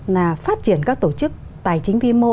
là phát triển các tổ chức tài chính vi mô